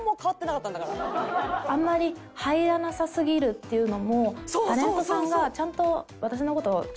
あんまり入らなさすぎるっていうのもタレントさんが私の事ちゃんと見てくれてるのかな？